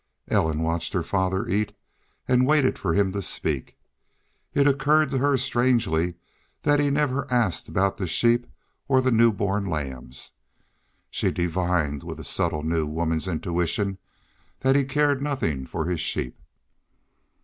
Ellen watched her father eat and waited for him to speak. It occured to her strangely that he never asked about the sheep or the new born lambs. She divined with a subtle new woman's intuition that he cared nothing for his sheep.